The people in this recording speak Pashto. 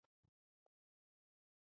پرنګیان د غازيانو مقابله ونه کړه.